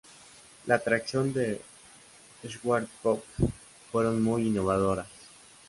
Las atracciones de Schwarzkopf fueron muy innovadoras.